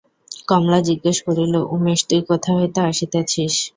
কমলা জিজ্ঞাসা করিল, উমেশ, তুই কোথা হইতে আসিতেছিস?